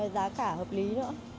giá cả hợp lý nữa